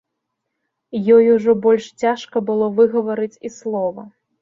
Ёй ужо больш цяжка было выгаварыць і слова.